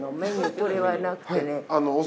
これはなくてね。